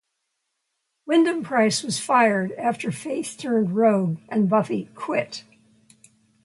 Wyndam-Pryce was fired after Faith turned rogue and Buffy "quit".